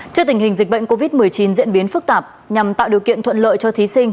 trước tình hình dịch bệnh covid một mươi chín diễn biến phức tạp nhằm tạo điều kiện thuận lợi cho thí sinh